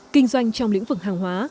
kinh doanh trong lĩnh vực hàng hóa